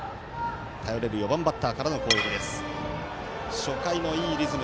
頼れる４番バッターからの攻撃。